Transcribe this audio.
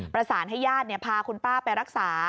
ประสานให้ญาติพาคุณป้าไปรักษา